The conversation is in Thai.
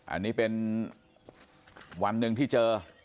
อันนี้เป็นวันหนึ่งที่เจอ